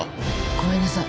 ごめんなさい。